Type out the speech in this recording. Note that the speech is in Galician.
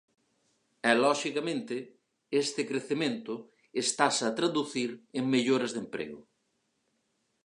E, loxicamente, este crecemento estase a traducir en melloras de emprego.